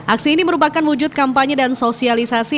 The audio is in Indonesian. aksi ini merupakan wujud kampanye dan sosialisasi